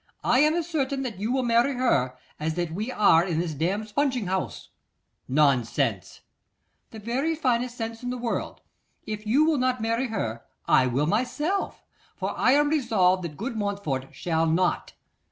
'I am as certain that you will marry her as that we are in this damned spunging house.' 'Nonsense!' 'The very finest sense in the world. If you will not marry her, I will myself, for I am resolved that good Montfort shall not.